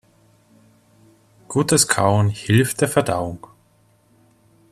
Gutes Kauen hilft der Verdauung.